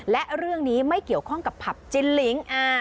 และเรื่องนี้ไม่เกี่ยวข้องกับผับจินลิง